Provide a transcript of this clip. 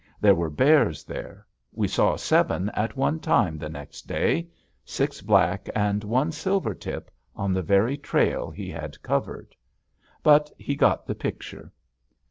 There were bears there. We saw seven at one time the next day, six black and one silver tip, on the very trail he had covered. But he got the picture.